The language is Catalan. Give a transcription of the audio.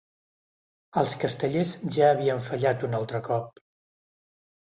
Els castellers ja havien fallat un altre cop.